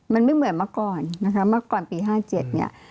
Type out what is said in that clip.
มันไม่เหมือนเมื่อก่อนนะคะเมื่อก่อนปี๕๗เนี่ย